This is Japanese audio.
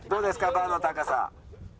バーの高さ。